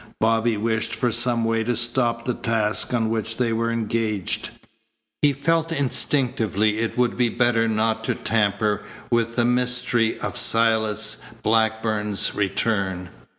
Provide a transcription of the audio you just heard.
Bobby wished for some way to stop the task on which they were engaged. He felt instinctively it would be better not to tamper with the mystery of Silas Blackburn's return.